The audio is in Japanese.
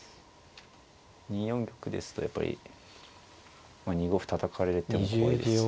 ２四玉ですとやっぱり２五歩たたかれても怖いですし。